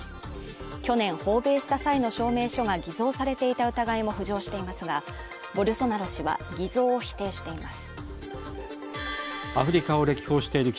去年訪米した際の証明書が偽造されていた疑いも浮上していますが、ボルソナロ氏は偽造を否定しています。